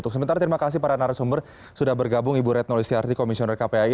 untuk sementara terima kasih para narasumber sudah bergabung ibu retno listiarti komisioner kpai